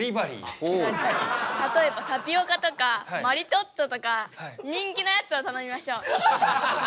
例えばタピオカとかマリトッツォとか人気なやつを頼みましょう。